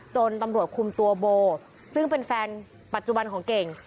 จนตำรวจคุมตัวโบซึ่งเป็นแฟนปัจจุบันของเก่ง